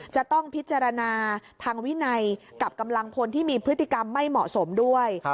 จะต้องพิจารณาทางวินัยกับกำลังพลที่มีพฤติกรรมไม่เหมาะสมด้วย